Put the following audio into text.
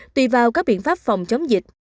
tùy vào các biện pháp phòng chống dịch